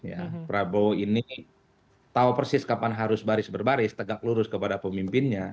ya prabowo ini tahu persis kapan harus baris berbaris tegak lurus kepada pemimpinnya